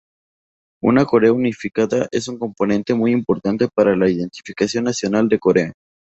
Una Corea unificada es un componente muy importante para la identidad nacional de Corea.